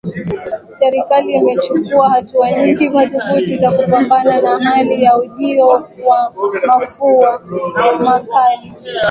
Serikali imechukua hatua nyingi madhubuti za kupambana na hali ya ujio wa mafua makali